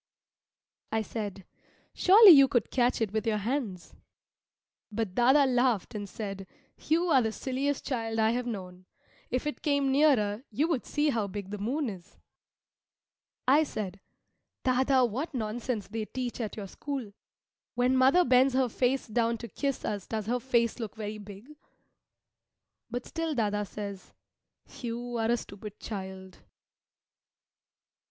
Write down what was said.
I said, "Surely you could catch it with your hands." But dâdâ laughed and said, "You are the silliest child I have known. If it came nearer, you would see how big the moon is." I said, "Dâdâ, what nonsense they teach at your school! When mother bends her face down to kiss us does her face look very big?" But still dâdâ says, "You are a stupid child."